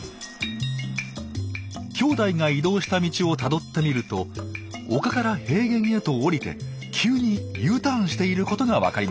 兄弟が移動した道をたどってみると丘から平原へと下りて急にＵターンしていることがわかりました。